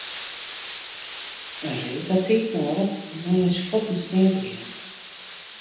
In reed hat tiid nedich om nei jins fuotten stean te gean.